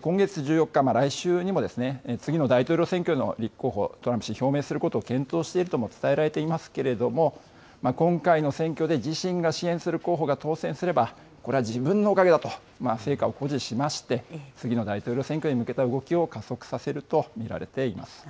今月１４日、来週にも、次の大統領選挙の立候補、トランプ氏、表明することを検討するとも伝えられていますけれども、今回の選挙で自身が支援する候補が当選すれば、これは自分のおかげだと成果を誇示しまして、次の大統領選挙に向けた動きを加速させると見られています。